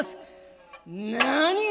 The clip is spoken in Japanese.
「何！？